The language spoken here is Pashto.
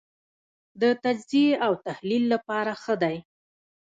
د تجزیې او تحلیل لپاره ښه دی.